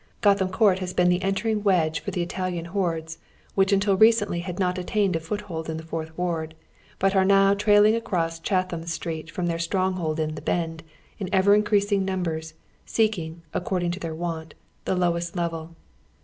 Gotham Court lias been tlie entering wedge for the Italian hordes, which until recently had not attained a foothold in the Fourth "Ward, bnt are now trailing across Cliathani Street from tlieir stronghold in " the Bend " in ever in creasing mnnbers, seeking, according to their wont, the lowest level.